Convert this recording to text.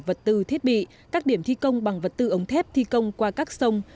vật tư thiết bị các điểm thi công bằng vật tư ống thép thi công qua các sông